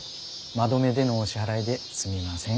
まどめでのお支払いですみません。